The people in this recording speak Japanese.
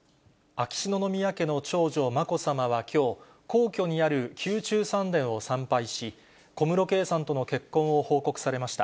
秋篠宮家の長女、まこさまはきょう、皇居にある宮中三殿を参拝し、小室圭さんとの結婚を報告されました。